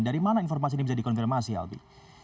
dari mana informasi ini bisa dikonfirmasi albi